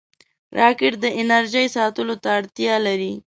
راکټ د انرژۍ ساتلو ته اړتیا لري